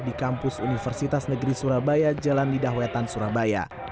di kampus universitas negeri surabaya jalan lidah wetan surabaya